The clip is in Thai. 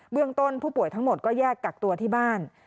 เรื่องต้นผู้ป่วยทั้งหมดก็แยกกักตัวที่บ้าน